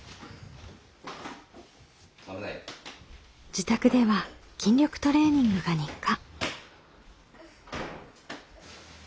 自宅では筋力トレーニングが日課。